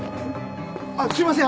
あっすいません